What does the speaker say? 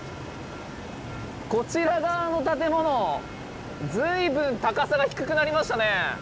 こちら側の建物随分高さが低くなりましたねえ。